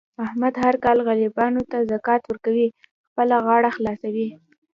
احمد هر کال غریبانو ته زکات ورکوي. خپله غاړه خلاصوي.